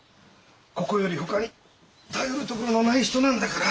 ここよりほかに頼るところのない人なんだから。